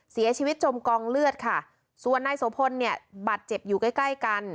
เสียชีวิตจมกองเลือดค่ะส่วนนายโสพลบัตรเจ็บอยู่ใกล้กัน